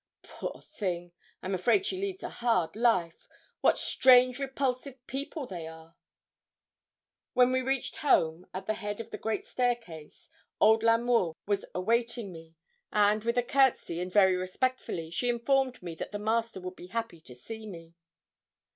'Poor thing! I'm afraid she leads a hard life. What strange, repulsive people they are!' When we reached home, at the head of the great staircase old L'Amour was awaiting me; and with a courtesy, and very respectfully, she informed me that the Master would be happy to see me.